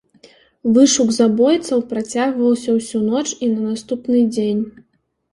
Вышук забойцаў працягваўся ўсю ноч і на наступны дзень.